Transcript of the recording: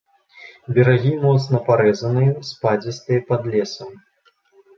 Берагі моцна парэзаныя, спадзістыя, пад лесам.